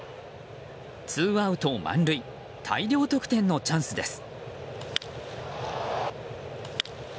ツーアウト満塁大量得点のチャンスです。